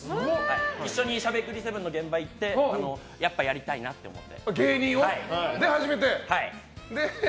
一緒に「しゃべくり００７」の現場に行ってやっぱりやりたいなって思って。